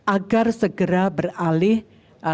agar segera beralih ke siaran tv digital